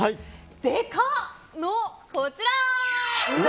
でかっ！のこちら。